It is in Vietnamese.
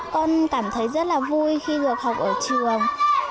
con cảm thấy rất là vui khi được học ở trường